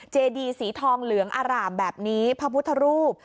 เจดีสีทองเหลืองอร่ามแบบนี้พระพุทธรูป